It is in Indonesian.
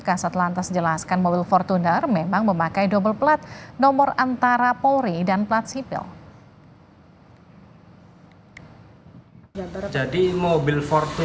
kasat lantas menjelaskan mobil fortuner memang memakai double plat nomor antara polri dan plat sipil